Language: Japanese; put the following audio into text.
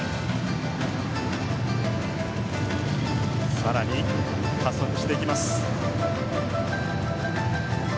更に加速していきます。